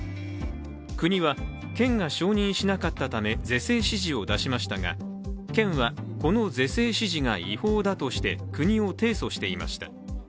国は県が承認しなかったため是正指示を出しましたが、県はこの是正指示が違法だとして国を提訴していました。